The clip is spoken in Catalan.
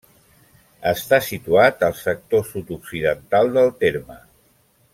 Està situat al sector sud-occidental del terme.